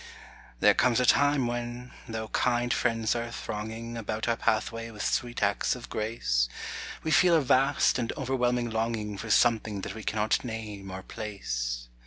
There comes a time, when, though kind friends are thronging About our pathway with sweet acts of grace, We feel a vast and overwhelming longing For something that we cannot name or place.